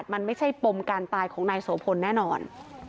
มันไม่ใช่ปมการตายของนายโสพลแน่นอน